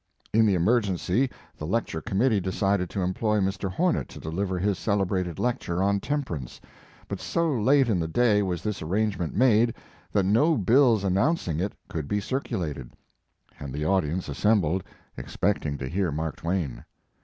In the emergency the lecture committee decided to employ Mr. Hor net to deliver his celebrated lecture on temperance, but so late in the day was this arrangement made that no bills an nouncing it could be circulated, and the 150 Mark Twain audience assembled, expecting to hear Mark Twain.